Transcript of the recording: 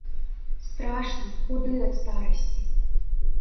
Страшны, худы ад старасці.